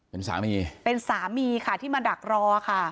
เป็นสามีเป็นสามีค่ะที่มาดักรอค่ะ